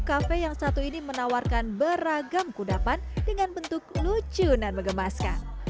kafe yang satu ini menawarkan beragam kudapan dengan bentuk lucu dan mengemaskan